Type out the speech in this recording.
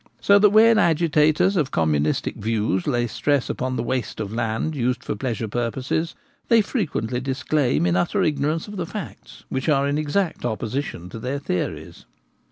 So that when agitators of Communistic views lay stress upon the waste of land used for pleasure purposes they frequently declaim in utter ignorance of the facts, which are in exact oppo sition to their theories.